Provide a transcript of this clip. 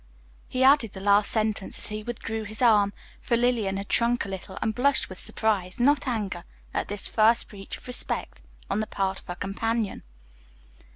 He added the last sentence as he withdrew his arm, for Lillian had shrunk a little and blushed with surprise, not anger, at this first breach of respect on the part of her companion.